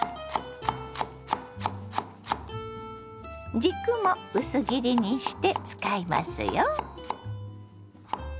軸も薄切りにして使いますよ。